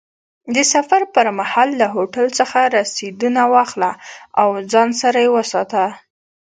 د سفر پر مهال له هوټل څخه رسیدونه واخله او ځان سره یې وساته.